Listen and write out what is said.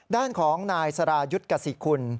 ด้านของนายสรายุทธ์กษิคุณ